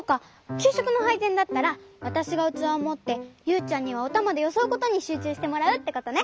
きゅうしょくのはいぜんだったらわたしがうつわをもってユウちゃんにはおたまでよそうことにしゅうちゅうしてもらうってことね。